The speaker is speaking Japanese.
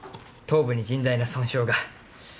頭部に甚大な損傷が。